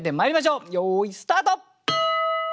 よいスタート！